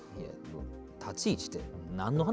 立ち位置って何の話？